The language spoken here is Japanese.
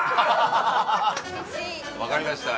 ◆分かりました。